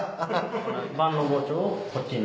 万能包丁をこっちに。